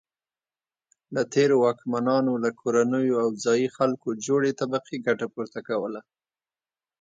له تېرو واکمنانو له کورنیو او ځايي خلکو جوړې طبقې ګټه پورته کوله.